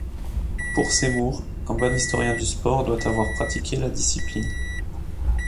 Pour Seymour, un bon historien du sport doit avoir pratiqué la discipline.